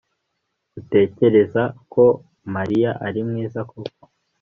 utekereza ko mariya ari mwiza koko